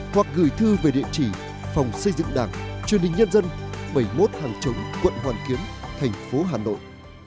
hoặc gửi thư về địa chỉ phòng xây dựng đảng truyền hình nhân dân bảy mươi một hàng trống quận hoàn kiến tp hà nội